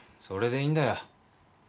それでいいんだよ。